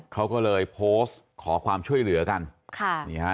เขาก็เลยโพสต์ขอความช่วยเหลือกันค่ะนี่ฮะ